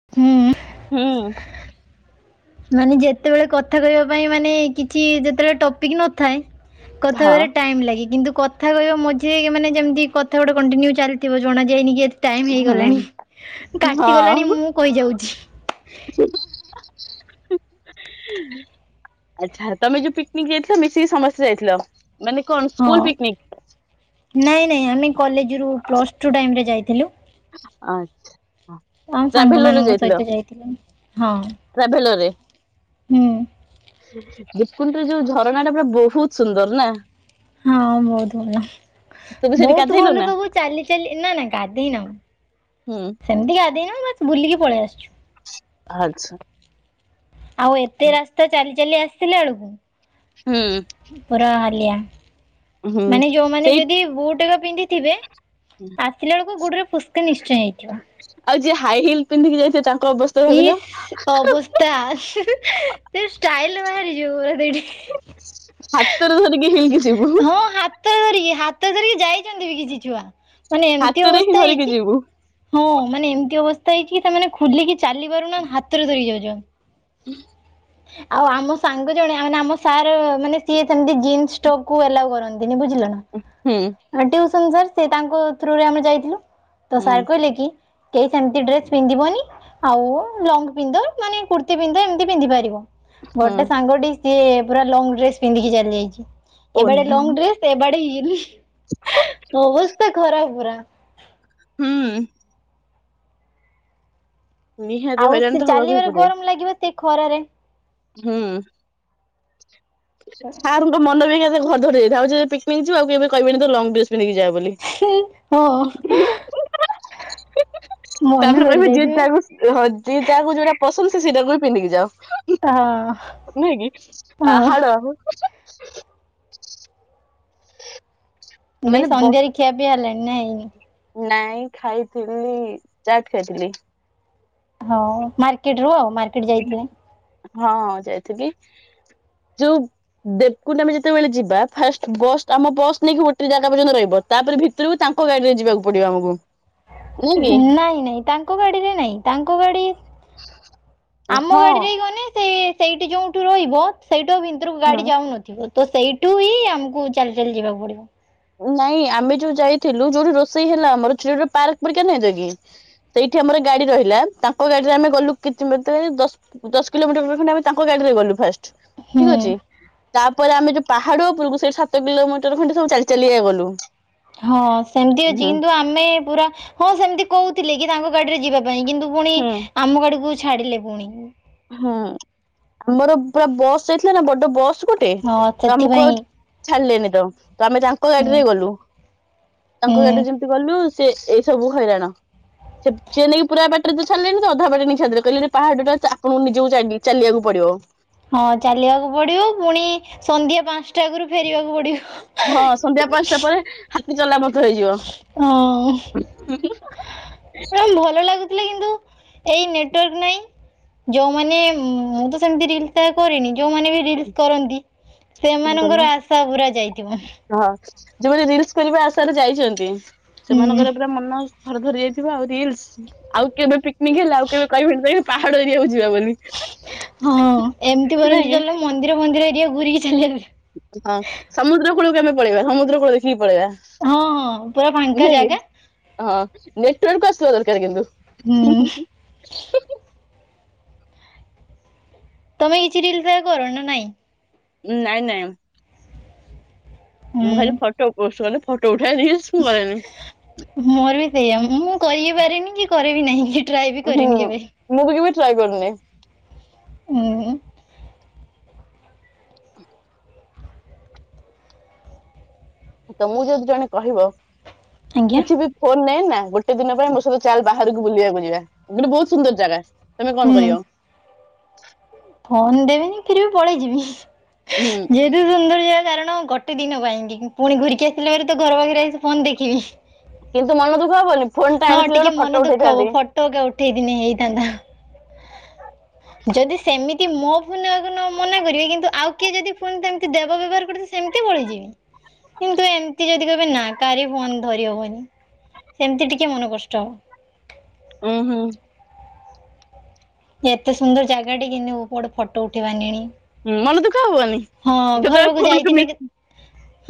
ହୁଁ ମାନେ ଯେତେବେଳେ କଥା କହିବା ପାଇଁ ମାନେ କିଛି ଯେତେବେଳେ ଟପିକ୍ ନଥାଏ କଥା ହଁ ହବାରେ ଟାଇମ୍ ଲାଗେ କିନ୍ତୁ କ କଥା କହିବା ମଝିରେ କି ମାନେ ଯେମିତି କଥା ଗୋଟେ କଣ୍ଟିନ୍ୟୁ ଚାଲିଥିବ ଜଣାଯାଏନି କି ଏ ଟାଇମ୍ ହୁଁ ହେଇଗଲାଣି, କାଟିଗଲାଣି ହଁ। ମୁଁ କହିଯାଉଛି। [unintelligible] ଆଚ୍ଛା ତମେ ଯୋଉ ପିକନିକ୍ ଯାଇଥିଲ ମିଶିକି ସମସ୍ତେ ଯାଇଥିଲ? ମାନେ କଣ ହଁ ସ୍କୁଲ୍ ପିକନିକ୍? ନାଇଁ ନାଇଁ ଆମେ କଲେଜରୁ ପ୍ଲସ୍ଟୁ ଟାଇମରେ ଯାଇଥିଲୁ। ଆଚ୍ଛା ହଁ। ଆଉ ସାଙ୍ଗମାନଙ୍କ ସହିତ ଯାଇଥିଲୁ ହଁ, ଟ୍ରାଭେଲରରେ ହୁଁ। ଦୀପକୁଣ୍ଡରେ ଯୋଉ ଝରଣାଟା ପୁରା ବହୁତ ସୁନ୍ଦର ନା? ହଁ ବହୁତ ଭଲ। ତମେ ସେଠି ବହୁତ ଗାଧେଇଲ ଭଲ ନା? ସବୁ ଚାଲି ଚାଲି ନା ନା ଗାଧେଇନ? ହୁଁ ସେମିତି ଗାଧେଇନୁ ବାସ୍ ବୁଲିକି ପଳେଇ ଆସିଛୁ। ଆଚ୍ଛା। ଆଉ ଏତେ ରାସ୍ତା ଚାଲି ଚାଲି ଆସିଥିଲା ହୁଁ ବେଳକୁ ପୁରା ହାଲିଆ। ହୁଁ ମାନେ ଯୋଉମାନେ ସେଇ ଯଦି ବୁଟ୍ ଏକ ପିନ୍ଧିଥିବେ ଆସିଲା ବେଳକୁ ଗୋଡରେ ପୁଷ୍କ ନିଶ୍ଚୟ ହେଇଥିବ। ଆଉ ଯିଏ ହାଇ ହିଲ୍ ପିନ୍ଧିକି ଯାଇଥିବେ ତାଙ୍କ ଅବସ୍ଥା? ଭାବିଲ ଇସ୍ ଅବସ୍ଥା ସେ ଷ୍ଟାଇଲ ବାହାରିଯିବ ପୁରା ସେଇଠି। ହାତ ହାତରେ ଧରିକି ହିଲ୍ କି ଯିବୁ। ହଁ ହାତରେ ଧରିକି ହାତରେ ଧରିକି ଯାଇଛନ୍ତି ବି କିଛି ଛୁଆ। ମାନେ ଏମିତି ହାତରେ ହିଁ ଅବସ୍ଥା ଧରିକି ହେଇଛି? ଯିବୁ ହଁ ମାନେ ଏମିତି ଅବସ୍ଥା ହେଇଛି କି ସେମାନେ ଖୋଲିକି ଚାଲି ପାରୁନା ହାତରେ ଧରି ଯାଉଛନ୍ତି। [inaudible] ଆଉ ଆମ ସାଙ୍ଗ ଜଣେ ମାନେ ଆମ ସାର ମାନେ ସିଏ ସେମତି ଜିନ୍ସ ଟପ୍ କୁ ଆଲାଉ କରନ୍ ନ୍ତିନି ବୁଝିଲେ ନା ହୁଁ ମୋ ଟିୟୁସନ୍ ସାର୍ ସେ ତାଙ୍କ ଥ୍ରୁ ରେ ଆମେ ଯାଇଥିଲୁ। ତ ହୁଁ ସାର୍ କହିଲେ କି କେହି ସେମିତି ଡ୍ରେସ୍ ପିନ୍ଧିବନି ଆଉ ଲଙ୍ଗ ପିନ୍ଧ ମାନେ କୁର୍ତ୍ତି ପିନ୍ଧ ଏମିତି ପିନ୍ଧି ପାରିବ। ହୁଁ ଗୋଟେ ସାଙ୍ଗଟି ସିଏ ପୁରା ଲଙ୍ଗ ଡ୍ରେସ ପିନ୍ଧିକି ଚାଲି ଯାଇଛି ଏବେଡେ ଲଙ୍ଗ ଓହୋ ଡ୍ରେସ୍ ଏ ବାଡ଼େ ହିଲ୍ ଅବସ୍ଥା ଖରାପ୍ ପୁରା। ହୁଁ। ନିହାତି ଆଉ ହଇରାଣ ସେ ତ ହବାକୁ ହିଁ ଚାଲିବାରେ ପଡିବ ଗରମ ଲାଗିବ ସେ ଖରାରେ। ହୁଁ। ଆ ମନ ବି [unintelligible] ଆଉ ଯେବେ ପିକ୍ ନିକ୍ ଯିବ ଆଉ କେବେ କହିବନି ତ ଲଙ୍ଗ ଡ୍ରେସ୍ ପିନ୍ଧିକି ଯା ବୋଲି। [unintelligible] ହଁ [unintelligible] ମନେ ତାପରେ କରି କହିବେ ଯିଏ ଯାଇଥିବେ ତାକୁ ଓ ହୋ ଯିଏ ଯାହାକୁ ଯୋଉଟା ପସନ୍ଦ ସେ ସେଇଟାକୁ ବି ପିନ୍ଧିକି ଯାଅ। ହଁ ନୁହେଁ କି ହଁ ପାହାଡ଼ ଦେଇ ମାନେ ବ ସନ୍ଧ୍ୟାରେ ଖିଆ ପିଆ ହେଲାଣି ନାଇଁ? ନାଇଁ ଖାଇଥିଲି ଚାଟ୍ ଖାଇଥିଲି। ହଁ ମାର୍କେଟ୍ ର ଆଉ ମାର୍କେଟ୍ ଯାଇଥିବେ। ହଁ ଯାଇଥିଲି ଯୋଉ ଦେଵ୍କୁଣ୍ଡ ଆମେ ଯେତେବେଳେ ଯିବା ଫାଷ୍ଟ ବସ୍ ଆମ ବସ୍ ନେଇକି ଗୋଟେ ଜାଗା ପର୍ଯ୍ୟନ୍ତ ରହିବ। ତାପରେ ଭିତରକୁ ତାଙ୍କ ଗାଡ଼ି ରେ ଯିବାକୁ ପଡ଼ିବ ଆମକୁ। ନାଇଁ କି ନାଇଁ ନାଇଁ ତାଙ୍କ ଗାଡ଼ିରେ ନାଇଁ ତାଙ୍କ ଗାଡ଼ି ଆମ ଗାଡ଼ି ହଁ। ହିଁ ଗନେ ସେ ସେଇଠି ଯୋଉଠୁ ରହିବ ସେଇଠୁଁ ଆଉ ଭିତରକୁ ଗାଡ଼ି ଯାଉନଥିବ। ତ ସେଇଠୁ ହିଁ ଆମକୁ ଚାଲି ଚାଲି ଯିବାକୁ ପଡ଼ିବ। ନାଇଁ ଆମେ ଯୋଉ ଯାଇଥିଲୁ ଯୋଉଠି ରୋଷେଇ ହେଲା ଆମର [unintelligible] ପାର୍କ ପରିକା ନାଇଁ ଯ କି। ସେଇଠି ଆମର ଗାଡ଼ି ରହିଲା ତାଙ୍କ ଗାଡ଼ିରେ ଆମେ ଗଲୁ କି [unintelligible] ଦଶ ଦଶ କିଲୋମିଟର ଖଣ୍ଡେ ଆମେ ତାଙ୍କ ଗାଡ଼ି ରେ ଗଲୁ ଫାଷ୍ଟ। ଠିକ୍ ହୁଁ ଅଛି ତାପରେ ଆମେ ଯୋଉ ପାହାଡ଼ ଉପରକୁ ସେଇଠି ସାତ କିଲୋମିଟର ଖଣ୍ଡେ ସବୁ ଚାଲି ଚାଲିଆ ଗଲୁ। ହଁ ସେମିତି ଅଛି ହୁଁ। କିନ୍ତୁ ଆମେ ପୁରା ହଁ ସେମିତି କହୁଥିଲେ କି ତାଙ୍କ ଗାଡ଼ିରେ ଯିବା ପାଇଁ କିନ୍ତୁ ପୁଣି ହୁଁ ଆମ ଗାଡ଼ିକୁ ଛାଡ଼ିଲେ ପୁଣି ଆମର ପୁରା ବସ୍ ଯାଇଥିଲା ନା ବଡ ବସ୍ ଗୋଟେ ହଁ ତ ଆମକୁ ସେଥିପାଇଁ ଆଉ ଛାଡ଼ିଲେନି ତ ତ ଆମେ ତାଙ୍କ ହୁଁ ଗାଡ଼ିରେ ଗଲୁ। ତାଙ୍କ ହୁଁ ଗାଡ଼ି ଯେମିତି ଗଲୁ ସେ ଏ ସବୁ ହଇରାଣ ସେ ସେ ନେଇକି ପୁରା ଏବେ ରକୁ ଛାଡ଼ିଲେଣି ତ ଅଧା ବାଟେ ନେଇକି ଛାଡ଼ିଦେଲେ କହିଲେ ପାହାଡ଼ ଟା ଆପଣ ନିଜକୁ ଚାଲିବାକୁ ପଡ଼ିବ। ହଁ ଚାଲିବାକୁ ପଡ଼ିବ ପୁଣି ସନ୍ଧ୍ୟା ପାଞ୍ଚଟା ଆଗରୁ ଫେରିବାକୁ ପଡ଼ିବ। ହଁ ସନ୍ଧ୍ୟା ପାଞ୍ଚଟା ପରେ ହାତୀ ଚଲା ପଥ ହେଇଯିବ। ହଁ [unintelligible] [unintelligible] ଭଲ ଲାଗୁଥିଲା କିନ୍ତୁ ଏଇ ନେଟୱାର୍କ ନାହିଁ। ଯୋଉମାନେ ମୁଁ ତ ସେମତି ରିଲସ ଟାଏ କରିନି ଯୋଉମାନେ ବି ରିଲସ କରନ୍ତି ଗଲା ସେମାନଙ୍କର ଆଶା ପୁରା ଯାଇଥିବ। ହଁ ଯୋଉମାନେ ରିଲସ୍ କରିବା ଆଶାରେ ଯାଇଛନ୍ତି ହୁଁ ସେମାନଙ୍କର ପୁରା ମନ ଘର ଭରି ଯାଇଥିବ ଆଉ ରିଲସ୍ ଆଉ କେବେ ପିକନିକ୍ ହେଲେ ଆଉ କେବେ କହିବେ ନି [unintelligible] ପାହାଡ଼ ଏରିଆକୁ ଯିବା ବୋଲି। ହଁ ଏମିତି ନାଇଁ କରନ୍ତୁ କି ଚାଲ ମନ୍ଦିର ଫନ୍ଦିର ଏରିଆ ଘୁରିକି [unintelligible] ସମୁଦ୍ର କୂଳକୁ ଆମେ ପଳେଇବା ସମୁଦ୍ର କୂଳ ଦେଖିକି ପଳେଇଆ। ହଁ ହଁ ପୁରା ଫାଙ୍କା ଜାଗା। ହଁ ନେଟୱାର୍କ ଆସିବା ଦରକାର ହୁଁ କିନ୍ତୁ। ତମେ କିଛି ରିଲ ଟ୍ରାଏକର ନା ନାଇଁ? ନାଇଁ ନାଇଁ। ମୁଁ ଖାଲି ହୁଁ ଫଟୋ ପୋଷ୍ଟ କରେ ଫଟୋ ଉଠାଏ ରିଲସ୍ ମୁଁ କରେନି। ମୋର ବି ସେଇଆ ମୁଁ କରିବିପାରିନି କି କରେବି ନାହିଁ କି ଟ୍ରାଏ ବି ହୁଁ କରିନି କେବେ। ମୁଁ ବି କେବେ ଟ୍ରାଏ କରିନି। ଉଁ ହୁଁ। ତମୁକୁ ଯଦି ଜଣେ କହିବ ଆଜ୍ଞା କିଛି ବି ଫୋନ ନେ ନା ଗୋଟେ ଦିନ ପାଇଁ ମୋ ସହିତ ଚାଲ ବାହାରକୁ ବୁଲିବାକୁୁ ଯିବା ଗୋଟେ ବହୁତ ସୁନ୍ଦର ଜାଗା ତମେ କଣ କରିବ? ଫୋନ ଦେବନି କିରେ ବି ପଳେଇ ଯିବି। ହୁଁ। ଯେହେତୁ ସୁନ୍ଦର ଯାଗା କାରଣ ଗଟେ ଦିନ ପାଇଁକି ପୁଣି ଘୁରିକି ଆସିଲା ପରେ ତ ଘର ପାଖରେ ଆସି ଫୋନ୍ ଦେଖିବି। କିନ୍ତୁ ମନ ଦୁଃଖ ହବନି ଫୋନ ଟା ଆଣିଥିଲେ ଗୋଟେ ଫଟୋ ଉଠେଇଥାନ୍ତି। ଟୋକ ଉଠେଇ ଦିନେ ହେଇଥାନ୍ତା। ଯଦି ସେମିତି ମୋ ଫୁନ୍ ନବାକୁ ନ ମନା କରିବି କିନ୍ତୁ ଆଉ କିଏ ଯଦି ଫୁନ୍ ସେମିତି ଦେବ ବ୍ୟବହାର କରିଦବ ସେମିତି ପଳେଇଯିବି କିନ୍ତୁ ଏମିତି ଯଦି କହିବେ ନା କାହାରି ବି ଫୋନ ଧରିହବନି ସେମତି ଟିକିଏ ମନ କଷ୍ଟ ହବ। ଉଁ ହୁଁ। ଏତେ ସୁନ୍ଦର ଜାଗାଟେ କିନ୍ତୁ ମୁଁ ଗୋଟାଏ ଫଟୋ ଉଠେଇବି ପାରିଲିନି। ହୁଁ ମନ ଦୁଃଖ ହବନି? ଯେତେବେଳେ ପାଖକୁ ଫୋନ କୁ ଯାଇଥିନେ ମିଶ୍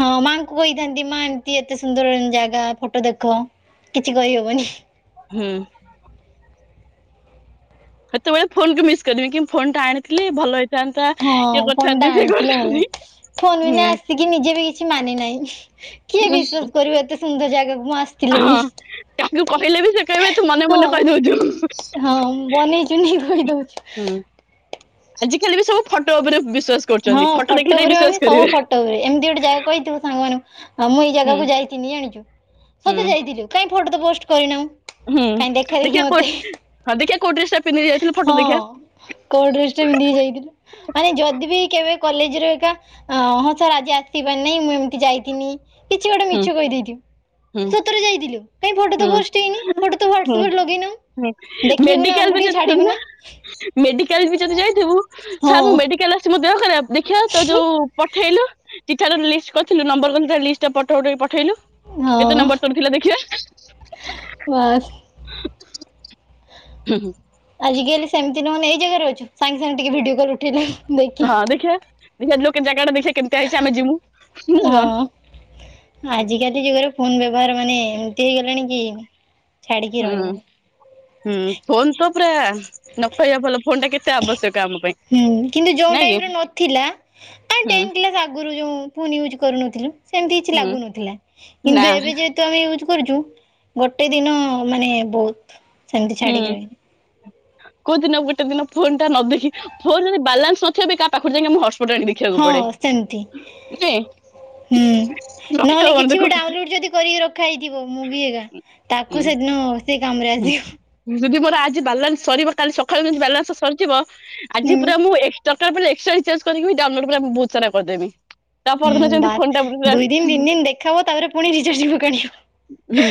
ହଁ ମାଙ୍କୁ କହିଥାନ୍ତି ମା ଏମିତି ଏତେ ସୁନ୍ଦର ଜାଗା ଫଟୋ ଦେଖ। କିଛି କହିହବନି। ହୁଁ। ସେତେବେଳେ ଫୋନ କୁ ମିସ୍ କରିବି କି ଫୋନ ଟା ଆଣିଥିଲେ ଭଲ ହେଇ ହଁ ଫୋନ ଟା ଆଣିଥିଲେ ଭଲେ, ଫୋନ ହୁଁ ବିନା ଆସିକି ନିଜେବି କିଛି ମାନେନାହିଁ। କିଏ ବିଶ୍ଵାସ କରିବ ଏତେ ସୁନ୍ଦର ଜାଗାକୁ ମୁଁ ଆସି ଥିଲି ବେଲି ହଁ କାହାକୁ କହିଲେ ବି ସେ କହିବେ ତୁ ମନେ ମନେ କହିଦଉଛୁ। ହଁ ହଁ ବନେଇ ଚୁନେଇ କହିଦଉ ହୁଁ ଆଜିକାଲି ବି ସବୁ ଫଟ ଉପେରେ ବିଶ୍ଵାସ୍ ହଁ କରୁଚନ୍ତି ଫଟ ଫଟୋ ଦେଖିଲେ ଯାଇଁ ଉପରେ ମାନେ ବିଶ୍ଵାସ ସବୁ କରିବେ। ଫଟୋ ଏମିତି ଗୋଟେ ଜାଗା କହିଥିବୁ ସାଙ୍ଗମାନଙ୍କୁ ଆ ମୁଁ ଏଇ ହୁଁ। ଜାଗାକୁ ଯାଇଥିନି ଜାଣିଚୁ ହୁଁ ସତେ ଯାଇଥିଲୁ କାଇଁ ଫଟ ତ ପୋଷ୍ଟ କରିନାଉଁ? ହୁଁ ଦେଖିଆ ଫ ହଁ ଦେଖିଆ କୋଉ ଡ୍ରେସ ଟା ପିନ୍ଧିକି ଯାଇଥିଲି ଫଟୋ ହଁ ଦେଖିବା କୋଉ ଡ୍ରେସ ଟା ପିନ୍ଧିକି ଯାଇଥିଲୁ? ‌ମାନେ ଯଦି ବିି କେବେ କଲେଜ ରୁ ଏକା ହଁ ସାର୍ ଆଜି ଆସିପାରିନାହିଁ ମୁଁ ଏମିତି ଯାଇଥିନି କିଛି ଗୋଟେ ହୁଁ ମିଛ କହିଦେଇଥିବୁ ହୁଁ ସତରେ ଯାଇଥିଲୁ କାଇଁ ଫଟୋ ତ ହୁଁ ପୋଷ୍ଟ ହେଇନି ଫଟୋ ତ ହ୍ୱାଟସଆପ ରେ ଲଗେଇନ? ମେଡିକାଲବି ଯ ଶୁଣୁନ ମେଡିକାଲ ବି ଯଦି ଯାଇଥିବୁ ହଁ ସାର୍ ମୁଁ ମେଡିକାଲ ଆସିଚି ମୋ ଦେହ ଖରାପ ଦେଖିବା ତୋ ଯୋଉ ପଠେଇଲୁ ଚିଠାର ଲିଷ୍ଟ କରିଥିଲୁ ନମ୍ବର କଥିଲୁ ଲିଷ୍ଟ ପଠ ଉଠେଇକି ପଠେଇଲୁ? କେତେ ହଁ ନମ୍ବର ତୋରଥିଲା ଦେଖିବା? ବାସ୍ ହୁଁ ହୁଁ। ଆଜିକାଲି ସେମତି ନହେଲେ ଏଇ ଜାଗାରେ ଅଛୁ ସାଙ୍ଗେ ସାଙ୍ଗେ ଟିକେ ଭିଡିଓ କଲ୍ ଉଠେଇଲୁ। ହଁ ଦେଖିବା ଦେଖିବା ଯୋସଜାଗା ଟା ଦେଖିବା କେମିତିଆ ହେଇଚି ଆମେ ଯିମୁ। ହଁ ନା କଣ ଆଜିକାଲି ଯୁଗରେ ଫୋନ ବ୍ୟବହାର ମାନେ ଏମିତି ହେଇଗଲାଣି କି ଛାଡିକି ହୁଁ ରହିହବନି ହୁଁ ଫୋନ ତ ପ୍ରା ଆ ନ କହିବା ଭଲ ଫୋନ ଟା କେତେ ଆବଶ୍ୟକ ଆମ ପାଇଁ ହୁଁ ନାଇଁ କି? କାଇଁ ହୁଁ ଟେନ କ୍ଲାସ ଆଗରୁ ଯୋଉ ଫୁନ୍ ୟୁଜୁ କରୁନଥିଲୁ ସେମତି କିଛି ହୁଁ ଲାଗୁନଥିଲା ନା କିନ୍ତୁ ଏବେ ଯେ ତେ ୟୁଜ କରୁଛୁ ଗୋଟେ ଦିନ ମାନେ ବହୁତ୍ ସେମିତି ଛାଡିକି ହୁଁ ରହିହୋଉନି। କୋଉ ଦିନ ଗୋଟେ ଦିନ ଫୋନଟା ନ ଦେଖି ଫୋନରେ ବାଲାନ୍ସ ନଥିବ ପାଇଁ କାହା ପାଖରୁ ଯାଇକି ଆମ ହସ୍‌ପୋଟରେ ଆଣି ଦେଖି ହଁ ସେମିତି ହୁଁ। ନହେଲେ ରଖିହବନି ତ କିଛି ବି କୋଉଠି ଡାଉନଲୋଡ ଯଦି କରିକି ରଖା ହେଇଥିବ ମୁଁ ବି ହିରା ହୁଁ ତାକୁ ସେଦିନ ସେ କାମରେ ହୁଁ ଆସିବ। ଯଦି ମୋର ଆଜି ବାଲାନ୍ସ ସରିବ କାଲି ସକାଳୁ ଯେମିତି ବାଲାନ୍ସ ସରିଯିବ ଆଜି ହୁଁ ପୁରା ମୁଁ ଏ ଦରକାର ପଇଲେ ଏସ୍‌ଟ୍ରା ରିଚାର୍ଜ କରିକି ବି ଡାଉଲୋଡ୍ ପରା ବହୁତ୍ ସାରା କରିଦେବି। ତା ପରଦିନ ହୁଁ ଯେମିତି ଫୋନ ଟା ବାସ ପୁରା ଦୁଇ ଦିନ ତିନି ଦିନ ଦେଖା ହଵ ତାପରେ ପୁଣି ରିଚାର୍ଜ ପକା ଯିବ। ହୁଁ।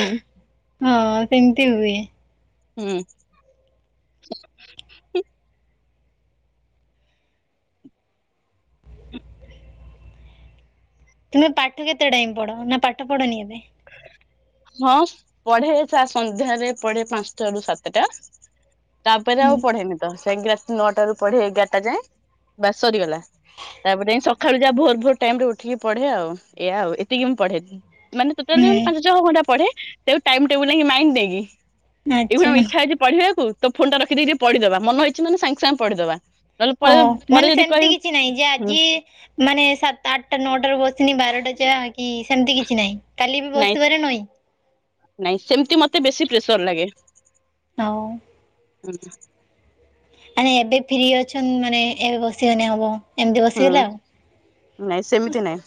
ହୁଁ ସେମିତି ହୁଏ। ହୁଁ। ତୁମେ ପାଠ କେତେ ଟାଇମ୍ ପଢ ନା ପାଠ ପଢନି ଏବେ। ହଁ ପଢେ ସା ସନ୍ଧ୍ୟାରେ ପଢେ ପାଞ୍ଚଟାରୁ ସାତଟା। ତାପରେ ଆଉ ହୁଁ ପଢେନି ତ ସେଇଙ୍କି ରାତି ନଅଟା ରୁ ପଢେ ଏଗାରଟା ଯାଏଁ ବା ସରିଗଲା। ତାପରେ ସକାଳୁ ଯା ଭୋର ଭୋର ଟାଇମ୍ ରେ ଉଠିକି ପଢେ ଆଉ ଏଆ ଆଉ ଏତିକି ମୁଁ ପଢେ ମାନେ ଟୋଟାଲି ମୁଁ ହୁଁ ପାଞ୍ଚ ଛଅ ଘଣ୍ଟା ପଢେ ଟେଉ ଟାଇମ୍ ଟେବୁଲ ହିଁ ମାଇଣ୍ଡ ଦେଇକି। ଆଚ୍ଛା ଏଇଭଳିଆ ଇଛା ଅଛି ପଢିବାକୁ ତ ଫୋନ ଟା ରଖି ଦେଇ ଟି ପଢିଦବା ମନ ହେଇଛି ମାନେ ସାଙ୍ଗେ ସାଙ୍ଗେ ପଢିଦବା। ନହେଲେ ଓ ପରେ ପରେ ମାନେ ଯଦି ସେମିତି କହିବୁ କିଛି ନାହିଁ ଯା ହୁଁ ଆଜି ମାନେ ସାତ ଆଟା ନଅଟାରୁ ବସିନି ବାରଟା ଯାଏ କି ସେମିତି କିଛି ନାହିଁ। କାଲି ବି ନାଇଁ ବସିିବାରେ ନଇଁ। ନାଇଁ ସେମିତି ମତେ ବେଶୀ ପ୍ରେସର ଲାଗେ। ଆଉ। ହୁଁ ନା। ଆରେ ଏବେ ଫ୍ରି ଅଛନ୍ ମାନେ ଏବେ ବସିଗନି ହବ ଏମିତି ହୁଁ। ବସିଗଲା ଆଉ। ନାଇଁ ସେମିତି ନାଇଁ।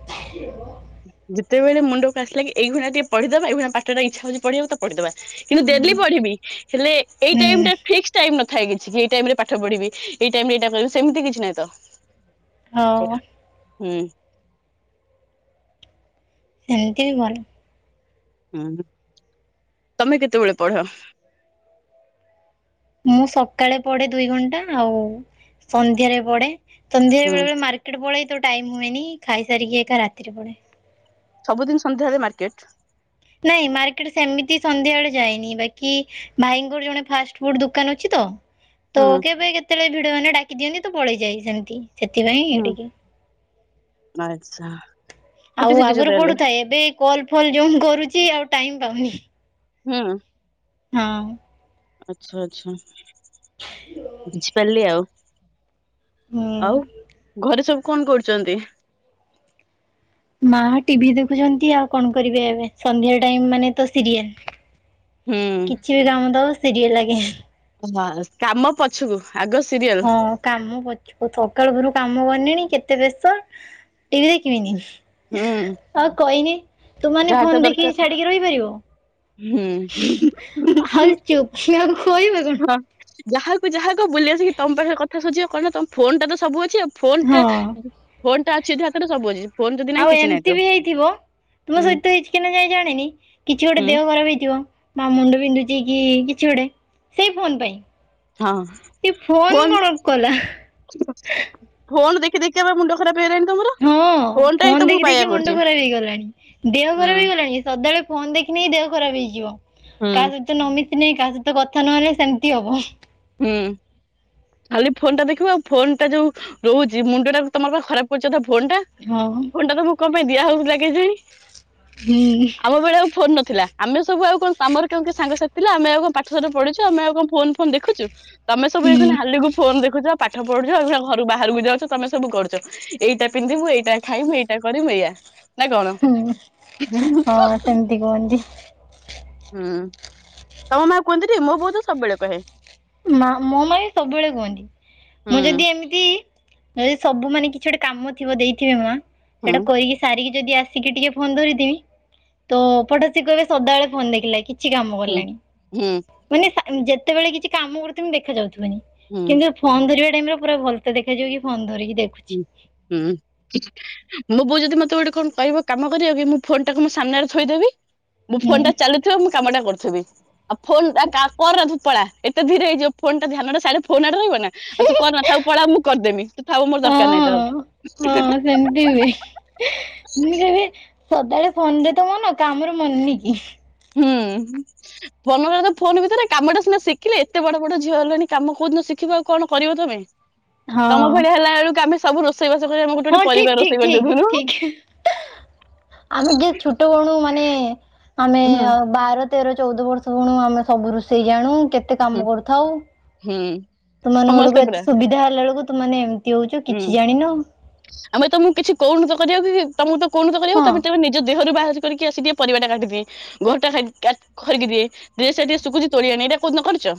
ହ [unintelligible] ଯେତେବେଳେ ମୁଣ୍ଡକୁ ଆସିଲାଗି ଏଇ ଭଳିଆ ଟିକେ ପିଢି ଦବା ଏଇ ଭଳିଆ ପାଠର ଇଛା ହଉଛି ପଢିବାକୁ ତ ପଢିଦବା କିନ୍ତୁ ଡେଲି ପଢିବି ହେଲେ ଏଇ ଟାଇମ୍ ହୁଁ ଟା ଫିକ୍ସ ଟାଇମ୍ ନ ଥାଏ କିଛି ଏଇ ଟାଇମ୍ ରେ ପାଠ ପଢିବି ଏଇ ଟାଇମ୍ ଏଇ ଟା କରିବି ସେମତି କିଛି ନାହିଁ ତ। ହଉ ସେରା ହୁଁ। ସେମତି ହୁଅନି। ହୁଁ ତମେ କେତେବେଳ ପଢ। ମୁଁ ସକାଳେ ପଡେ ଦୁଇ ଘଣ୍ଟା ଆଉ ସନ୍ଧ୍ୟାରେ ପଡେ ସନ୍ଧ୍ୟାରେ ହୁଁ ବେଳେ ବେଳେ ମାରେ ଟେ ପଳେଇ ତ ଟାଇମ୍ ହୁଏନି ଖାଇସାରିକି ଏକା ରାତିରେ ପଢେ। ସବୁଦିନ୍‌ ସନ୍ଧ୍ୟାବେଳେ ମାର୍କେଟ୍। ନାଇଁ ମାର୍କେଟ ସେମିତି ସନ୍ଧ୍ୟା ବେଳେ ଯାଇନି ବାକି ଭାଇଙ୍କର ଜଣେ ଫାଷ୍ଟ ଫୁଡ୍‌ ଦୋକାନ ଅଛି ତ। ହୁଁ ତ କେବେ କେତେବେଳେ ଭିଡ ମାନେ ଡାକି ଦିଅନ୍ତି ତ ପଳେଇଯାଏ ସେମିତି ସେଥିପାଇଁ ହୁଁ ଟିକେ ଆଚ୍ଛା। ସ୍କୁଟି ଆଉ ଶିଖିଛ ଆଗରୁ ତାହେଲେ ପଢୁଥାଏ ଏବେ କଲ୍ ଫଲ୍ ଯୋଉ କରୁଛି ଆଉ ଟାଇମ୍ ପାଉନି। ହୁଁ। ହଁ। ଆଚ୍ଛା ଆଚ୍ଛା ବୁଝିପାଇଲି ଆଉ। ହୁଁ ଆଉ ଘରେ ସବୁ କଣ କରୁଚନ୍ତି? ମା ଟିଭି ଦେଖୁଚନ୍ତି ଆଉ କଣ କରିବେ ଏବେ ସନ୍ଧ୍ୟା ଟାଇମ୍ ମାନେ ତ ସିରିଏଲ୍। ହୁଁ କିଛି ବି କାମ ଦବ ସିରିଏଲ୍ ଲାଗେ। ଓହୋ କାମ ପଛକୁ ଆଗ ସିରିଏଲ୍। ହଁ କାମ ପ ଆଉ ସକାଳ ପରୁ କାମ କରିନଣି କେତେ ବେସ୍ତ ଟିଭି ଦେଖିବିନି। ହୁଁ ଆଉ କହିନି ତୁମାନେ ଯାହା ଯାହା ଫୋନ୍ ଦେଖିକି ଦରକାର ଛାଡିକି ରହିପାରିବୁ? ହୁଁ। ଖିଆ ଆଉ ଖୋଇବେ କଣ ହଁ ଯାହାକୁ ଯାହା କହ ବୁଲି ଆସିକି ତମ ପାଖରେ କଥାସରିଯିବ କଣ ନାଁ ତମ ଫୋନ୍ ଟା ତ ସବୁ ଅଛି। ଫୋନ୍ ହଁ ଟା ଫୋନ୍ ଟା ଅଛି ଏ ହାତରେ ସବୁ ଅଛି। ଫୋନ ଯଦି ନାହିଁ ଆଉ କିଛି ନାହିଁ ଏମତି ତ ବି ହେଇଥିବ। ତୁମ ହୁଁ ସହିତ ହେଚି କି ନାଇଁ କାଇଁ ଜାଣିନି କିଛି ଗୋଟେ ହୁଁ ଦେହ ଖରାପ୍ ହେଇଥିବ। ମା ମୁଣ୍ଡ ବିନ୍ଧୁଚି କି କିଛି ଗୋଟେ ସେଇ ଫୋନ୍ ପାଇଁ। ହଁ ଏଇ ଫୋନ୍ ଫୋନ କଣ କଲା। ଫୋନ୍ ଦେଖି ଦେଖି ପା ମୁଣ୍ଡ ଖରାପ୍ ହେଇଲାଣି ତମର। ହଁ ଫୋନ ଟା ହିଁ ଫୋନ୍ ତମକୁ ଦେଖି ବାୟା ଦେଖି ମୁଣ୍ଡ କରୁଛି ଖରାପ୍ ହେଇଗଲାଣି ଦେହ ହୁଁ ଖରାପ୍ ହେଇଗଲାଣି ସଦାବେଳେ ଫୋନ୍ ଦେଖିନି ଦେହ ଖରାପ୍ ହେଇଯିବ ହୁଁ କାହା ସହିତ ନ ମିଶନେ କାହା ସହିତ କଥା ନହେଲେ ସେମତି ହବ। ହୁଁ। ଖାଲି ଫୋନ୍ ଟା ଦେଖିବୁ ଆଉ ଫୋନ୍ ଟା ଯୋଉ ରହୁଛି ମୁଣ୍ଡ ଟା ତମର ପା ଖରାପ୍ ପୁଚ ଫୋନ୍ ଟା। ହଁ ଫୋନ୍ ଟା ତମକୁ କନ୍ ପାଇଁ ଦିଆହଉଥିଲା କେଜାଣି। ହୁଁ। ଆମ ବେଳେ ଆଉ ଫୋନ୍ ନଥିଲା ଆମେ ସବୁ ଆଉ କଣ ଆମର କାମରେ ସାଙ୍ଗ ସାଥି ଆମେ ଆଉ କଣ ପାଠ ସାଠ ପଢି ଆମ ଆଉ କଣ ଫୋନ୍ ଫୋନ୍ ଦେଖୁଚୁ। ତମେ ସବୁ ଏ ହୁଁ ହାଲକୁ ଫୋନ୍ ଦେଖୁଚ ପାଠ ପଢୁଚ ଏଇ ଘରୁ ବାହାରକୁ ଯାଉଚ ତମେ ସବୁ କରୁଚ। ଏଇଟା ପିନ୍ଧିବୁ ଏଇଟା ଖାଇବୁ ଏଇଟା କରିମୁ ଏୟା। ନାଁ କଣ ହୁଁ ହଁ [unintelligible] ସେମିତି କୁହନ୍ତି। ହୁଁ ତମ ମା କୁହନ୍ତିନି ମୋ ବୋଉ ତ ସବୁବେଳେ କହେ? ମା ମୋ ମା ବି ସବୁବେଳେ କୁହନ୍ତି ହୁଁ ମୁଁ ଯଦି ଏମିତି ଦି ସବୁ ମାନେ କିଛି ଗୋଟେ କାମ ଥିବ ଦେଇଥିବେ ମାଆ ହୁଁ ସେଟା କରିକି ସାରିକି ଯଦି ଆସିକି ଟିକେ ଫୋନ୍ ଧରିଥିମି ତ ପଡୋଶୀ କହିବେ ସଦାବେଳେ ଫୋନ୍ ଦେଖିଲା କି କିଛି କାମ ହୁଁ କଲାଣି ହୁଁ ମାନେ ଯେତେବେଳେ କିଛି କାମ କରୁଥିମି ଦେଖା ଯାଉଥିବନି। ହୁଁ କିନ୍ତୁ ଫୋନ୍ ଧରିବା ଟାଇମ୍ ରେ ପୁରା ଭଲ ସେ ଦେଖାଯିବକି କି ଫୋନ୍ ଧରିକି ଦେଖୁ ହୁଁ ହୁଁ। ମୋ ବୋଉ ଯଦି ମତେ ଗୋଟେ କଣ କହିବ କାମ କରିବା ପାଇଁ ମୁଁ ଫୋନ୍ ଟାକୁ ମୁଁ ସାମ୍ନାରେ ଥୋଇଦେବି। ମୋ ହୁଁ ଫୋନ୍ ଟା ଚାଲୁଥିବ ମୁଁ କାମ ଟା କରୁଥିବି। ଆଉ ଫୋନ୍ ଟା କ କର ତୁ ପଳା ଏତେ ଧୀରେ ହେଇଯିବ ଫୋନ୍ ଟା ଧ୍ୟାନଟା ସିଆଡ଼େ ଫୋନୂ ଆଡେ ରହିବ ନାଁ। ଆଉ ତୁ କରନା ଥାଉ ପଳା ମୁଁ କରିଦେମି ତୁ ଥାଉ ମୋର ଦରକାର ନାହିଁ ହଁ ଥାଉ। ସେମିତି ହୁଏ। ନିକହିବେ ସଦାବେଳେ ଫୋନ୍ ରେ ତ ମନ କାମରେ ମନନି କି। ହୁଁ। ବଲ କଲେ ତ ଫୋନ୍ ଭିତରେ କାମଟା ସିନା ଶିଖିଲେ ଏତେ ବଡ ବଡ ଝିଅ ହେଲଣି କାମ କୋଉନ ଶିଖିବ ଆଉ କଣ କରିବ ତମେ। ତମ ହଁ ଭଳିଆ ହେଲା ବେଳକୁ ଆମେ ସବୁ ରୋଷେଇବାସ କରି ଆମେ ଗୋଟେ ହଁ ଗୋଟ ଠିକ୍ ପରିବା ଠିକ୍ ରୋଷେଇ କରି ଠିକ୍ ଦେବୁନୁ। ଠିକ୍ ଆମେ କିଏ ଛୋଟ ବଣୁ ମାନେ ଆମେ ହୁଁ ବାର ତେର ଚଉଦ ବର୍ଷ ହଉନୁ ଆମେ ସବୁ ରୋଷେଇ ଜାଣୁ କେତେ ହୁଁ କାମ କରୁଥାଉ। ହୁଁ। ତମ ମାନଙ୍କ ବେଳକୁ ସମସ୍ତେ ପୁରା ଏତେ ସୁବିଧା ହେଲା ବେଳକୁ ତୁମେ ଏମିତି ହଉଛ ହୁଁ। କିଛି ଜାଣିନ। ଆମେ ତମକୁ କିଛି କହୁନୁ ତ କରିବ କି ତମକୁ ତ କହୁନୁ ତ କରିବ ହଁ ତାପରେ ତମେ ନିଜ ଦେହରୁ ବାହାର କରିକି ଆସି ଟିକେ ପରିବାଟା କାଟିଦିଏ। ଘରଟା ଖାଇିକି ଖରିକି ଦିଏ ଡ୍ରେସ୍ ଟା ସୁଖୁଚି ଟିକେ ତୋଳି ଆନେ ଏଇଟା କହୁଦିନ କରିଛ?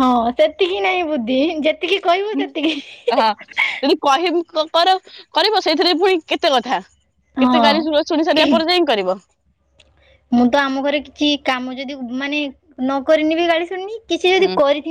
ହଁ ସେତିକି ନାଇଁ ବୁଦ୍ଧି ଯେ ହଁ ଯଦି କହିବ କର କରିବ ସେଇଥିରେ ପୁଣି କେତେ କଥା। କେତେ ହଁ ଗାଳି ଶୁଣି ସାରିବା ପରେ ଯାଇଁ କରିବ। ମୁଁ ତ ଆମ ଘରେ କିଛି କାମ ଯଦି ମାନେ ନ କରିନି ବି ଗାଳି ଶୁଣିନି କିଛି ହୁଁ। ଯଦି କରିଥିବି